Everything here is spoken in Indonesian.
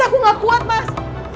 aku gak kuat mas